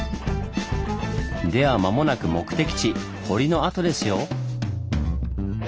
では間もなく目的地堀の跡ですよ！